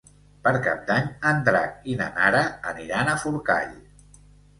Per Cap d'Any en Drac i na Nara aniran a Forcall.